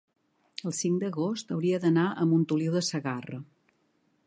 el cinc d'agost hauria d'anar a Montoliu de Segarra.